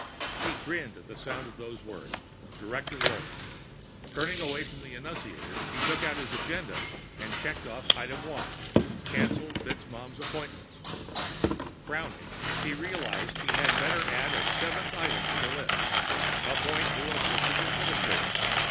He grinned at the sound of those words, Director Walton. Turning away from the annunciator, he took out his agenda and checked off number one, Cancel FitzMaugham's appointments. Frowning, he realized he had better add a seventh item to the list: Appoint new assistant administrator.